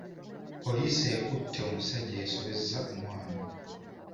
Poliisi ekutte omusajja eyasobezza ku mwana.